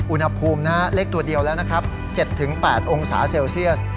อุณหภูมินะฮะเลขตัวเดียวแล้วนะครับ๗๘องศาเซลเซียส